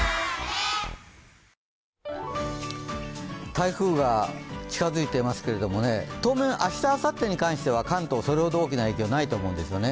台風が近づいていますけれども、当面明日あさってにかけては関東それほど大きな影響はないと思うんですね。